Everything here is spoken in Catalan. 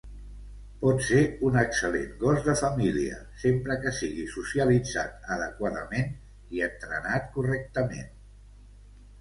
Pot ser un excel·lent gos de família, sempre que sigui socialitzat adequadament i entrenat correctament.